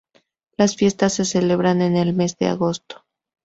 Las fiestas se celebran en el mes de agosto.